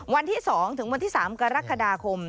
วันที่๒ถึงวันที่๓กรกฎาคม